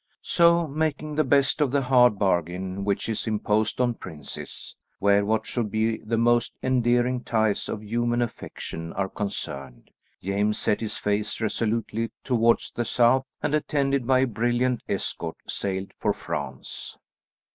So, making the best of the hard bargain which is imposed on princes, where what should be the most endearing ties of human affection are concerned, James set his face resolutely towards the south, and attended by a brilliant escort, sailed for France.